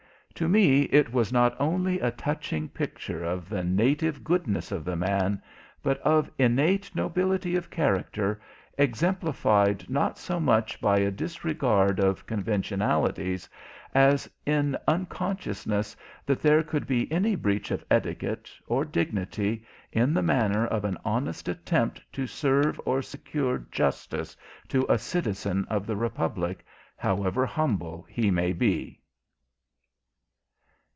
To me it was not only a touching picture of the native goodness of the man, but of innate nobility of character, exemplified not so much by a disregard of conventionalities, as in unconsciousness that there could be any breach of etiquette, or dignity, in the manner of an honest attempt to serve, or secure justice to a citizen of the Republic, however humble he may be.